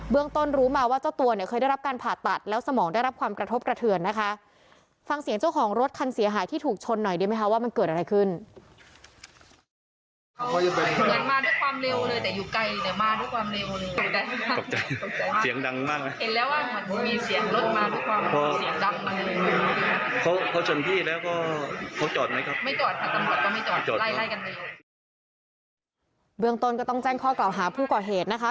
เบืองต้นก็ต้องแจ้งข้อกล่าวหาผู้ก่อเหตุนะคะ